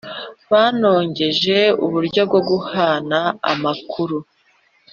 Banogeje uburyo bwo guhana amakuru